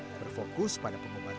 berfokus pada pengobatan penyakit